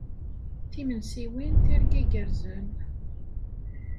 Timensiwin, tirga igerrzen!